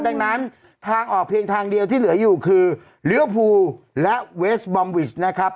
ดังนั้นทางออกเพียงทางเดียวที่เหลืออยู่คือลิเวอร์พูลและเวสบอมวิชนะครับ